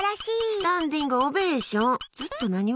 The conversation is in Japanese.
スタンディングオベーション。